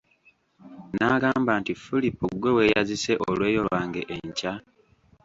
N'agamba nti Fulipo Ggwe weeyazise olweyo lwange enkya?